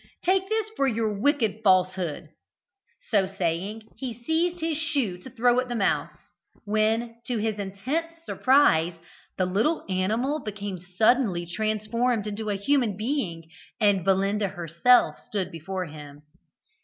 Take this for your wicked falsehood!" So saying, he seized his shoe to throw at the mouse; when, to his intense surprise, the little animal became suddenly transformed into a human being, and Belinda herself stood before him.